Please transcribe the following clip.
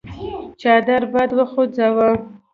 څادر باد وخوځاوه.